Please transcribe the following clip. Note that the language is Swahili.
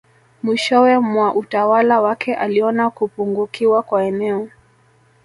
Mwishowe mwa utawala wake aliona kupungukiwa kwa eneo